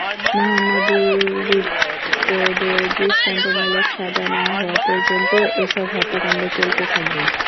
মোহাম্মদ দুর্বৃত্তদের দৃষ্টান্তমূলক সাজা না হওয়া পর্যন্ত এসব হত্যাকাণ্ড চলতে থাকবে।